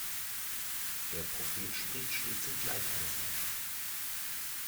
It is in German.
Der Prophet spricht stets in Gleichnissen.